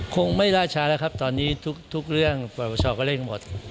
คงไม่ล่าช้าแล้วครับตอนนี้ทุกเรื่องปรปชก็เร่งหมด